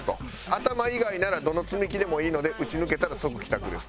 頭以外ならどの積み木でもいいので撃ち抜けたら即帰宅です。